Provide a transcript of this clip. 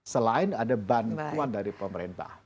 selain ada bantuan dari pemerintah